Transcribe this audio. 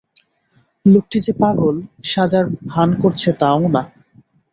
লোকটি যে পাগল সাজার ভান করছে তাও না।